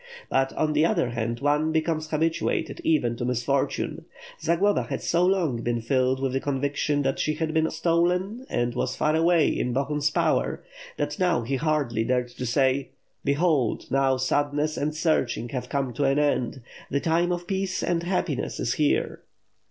But on the other hand one becomes habituated even to misfortune. Zagloba had so long been filled with the conviction that she had been stolen and was far away in Bohun^s power, that now he hardly dared to say: 'Behold, now sadness and searching have come to an end, the time of peace and happiness is here.